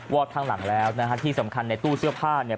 อดข้างหลังแล้วนะฮะที่สำคัญในตู้เสื้อผ้าเนี่ย